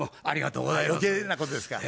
ありがとうございます。